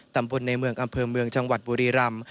ตำบลในเมืองอำเภอเมืองจังหวัดบุรีรำ